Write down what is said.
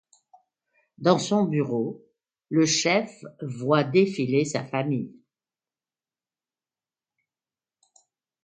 Dans son bureau, le chef voit défiler sa famille.